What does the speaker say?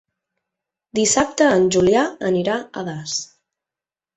Dissabte en Julià anirà a Das.